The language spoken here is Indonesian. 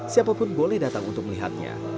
siapa pun boleh datang untuk melihatnya